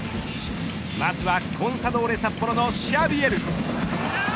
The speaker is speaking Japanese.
まずはコンサドーレ札幌のシャビエル。